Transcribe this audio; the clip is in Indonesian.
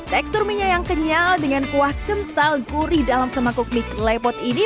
teksturnya yang kenyal dengan kuah kental gurih dalam semangkuk mie clay pot ini